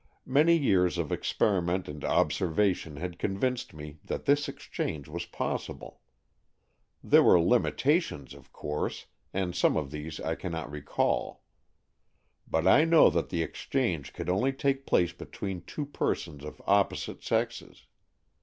Many years of experiment and observation had convinced me that this exchange was possible. There were limitations,, of course, and some of these I cannot recall. But I know that the exchange could only take place between two persons of opposite sexes.